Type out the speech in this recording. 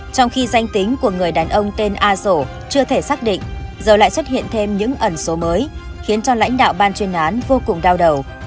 trong khi danh tính của người đàn ông tên a rổ chưa thể xác định giờ lại xuất hiện thêm những ẩn số mới khiến cho lãnh đạo ban chuyên án vô cùng đau đầu